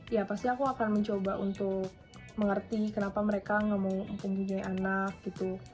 ya pasti aku akan mencoba untuk mengerti kenapa mereka nggak mau mempunyai anak gitu